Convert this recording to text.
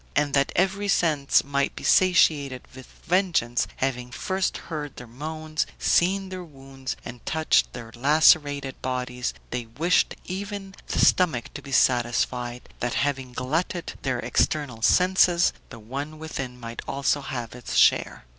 And that every sense might be satiated with vengeance, having first heard their moans, seen their wounds, and touched their lacerated bodies, they wished even the stomach to be satisfied, that having glutted the external senses, the one within might also have its share.